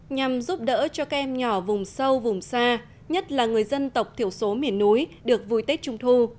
nhằm giúp đỡ cho các em nhỏ vùng sâu vùng xa nhất là người dân tộc thiểu số miền núi được vui tết trung thu